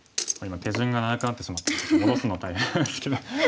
手順が長くなってしまって戻すのが大変なんですけど。